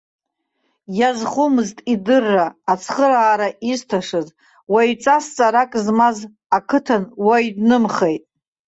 Иазхомызт идырра, ацхыраара изҭашаз, уаҩҵас ҵарак змаз ақыҭан уаҩ днымхеит.